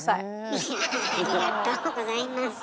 いやぁありがとうございます。